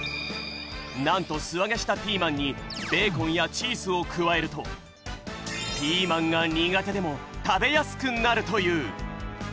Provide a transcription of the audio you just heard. なんとすあげしたピーマンにベーコンやチーズを加えるとピーマンが苦手でも食べやすくなるという！